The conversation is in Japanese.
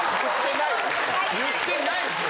言ってないですよ！